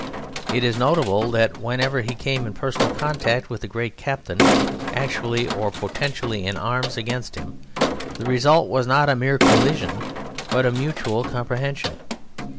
It is notable that whenever he came in personal contact with a great captain actually or potentially in arms against him, the result was not a mere collision but a mutual comprehension.